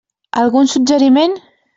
Algun suggeriment?